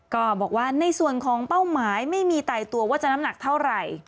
ก็บอกว่าในส่วนของเป้าหมายไม่มีไตตัวว่าจะน้ำหนักเท่าไหร่